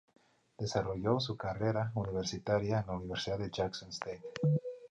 Desarrolló su carrera universitaria en la Universidad de Jackson State.